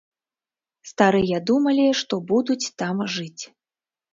Старыя думалі, што будуць там жыць.